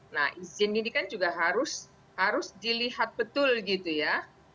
nah izin ini kan juga harus dilihat betul gitu ya